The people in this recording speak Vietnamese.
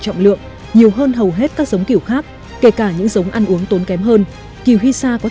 trọng lượng nhiều hơn hầu hết các giống kiểu khác kể cả những giống ăn uống tốn kém hơn kiểu hisa có